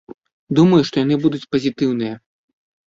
Думаю, што яны будуць пазітыўныя.